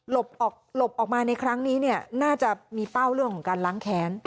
หลบออกมาในครั้งนี้เนี่ยน่าจะมีเป้าเรื่องของการล้างแค้น